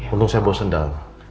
untung saya bawa sendal